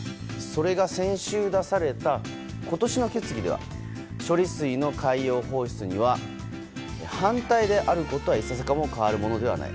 それが先週出された今年の決議では処理水の海洋放出には反対であることはいささかも変わるものではない。